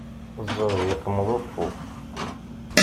Ẓẓerb yeqmeḍ uffu.